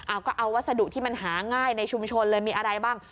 เอาก็เอาวัสดุที่มันหาง่ายในชุมชนเลยมีอะไรบ้าง